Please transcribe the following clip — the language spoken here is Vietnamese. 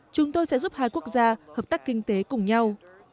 chúng tôi sẽ giúp hai quốc gia hợp tác kinh tế cùng nhau